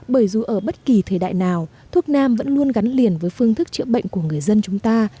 bởi dù ở bất kỳ thời đại nào thuốc nam vẫn luôn gắn liền với phương thức chữa bệnh của người dân chúng ta